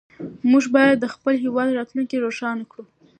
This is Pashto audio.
موږ باید د خپل هېواد راتلونکې روښانه کړو.